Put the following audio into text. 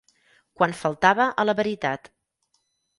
Quan faltava a la veritat.